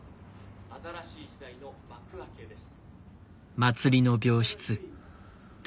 新しい時代の幕開けです。